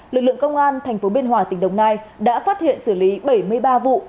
lực lượng công an tp biên hòa tỉnh đồng nai đã phát hiện xử lý bảy mươi ba vụ